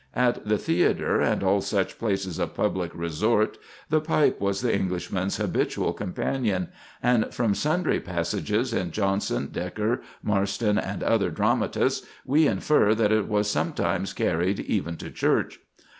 At the theatre and all such places of public resort, the pipe was the Englishman's habitual companion, and from sundry passages in Jonson, Dekker, Marston, and other dramatists, we infer that it was sometimes carried even to church.